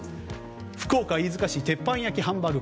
福岡・飯塚市鉄板焼きハンバーグ。